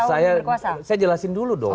saya jelasin dulu doang